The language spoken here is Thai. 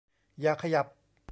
อย่าขยับ